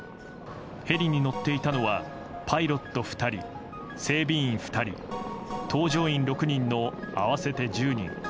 ヘリに乗っていたのはパイロット２人、整備員２人搭乗員６人の合わせて１０人。